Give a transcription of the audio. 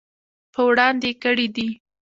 په وړاندې یې کړي دي.